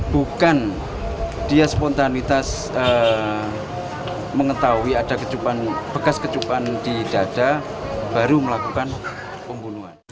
bukan dia spontanitas mengetahui ada bekas kecupan di dada baru melakukan pembunuhan